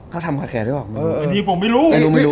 เขาทำคาร์ดแคร์ด้วยหรอไม่รู้